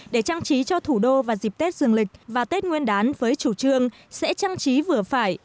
để trang trí cho thủ đô vào dịp tết dương lịch và tết nguyên đán với chủ trương sẽ trang trí vừa phải